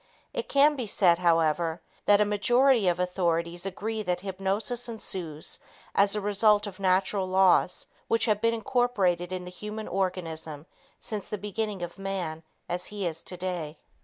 It can be said, however, that a majority of authorities agree that hypnosis ensues as a result of natural laws which have been incorporated in the human organism since the beginning of man as he is today.